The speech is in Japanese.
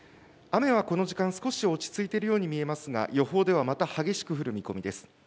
雨はこの時間、少し落ち着いているように見えますが、予報ではまた激しく降る見込みです。